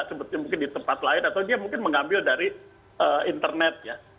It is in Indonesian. seperti mungkin di tempat lain atau dia mungkin mengambil dari internet ya